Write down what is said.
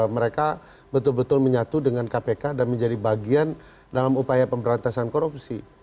mereka betul betul menyatu dengan kpk dan menjadi bagian dalam upaya pemberantasan korupsi